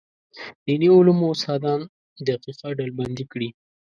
دیني علومو استادان دقیقه ډلبندي کړي.